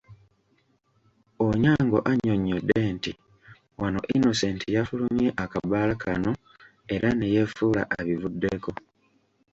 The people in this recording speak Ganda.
Onyango annyonnyodde nti wano Innocent yafulumye akabaala kano era ne yeefuula abivuddeko.